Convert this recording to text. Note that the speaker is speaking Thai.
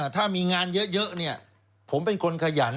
ถ้ามีงานเยอะผมเป็นคนขยัน